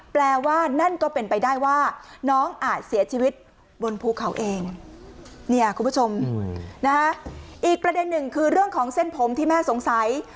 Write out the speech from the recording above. แปลว่านั่นก็เป็นไปได้ว่าน้องอาจเสียชีวิตบนภูเขาเองเนี่ยคุณผู้ชมนะฮะอีกประเด็นหนึ่งคือเรื่องของเส้นผมที่แม่สงสัย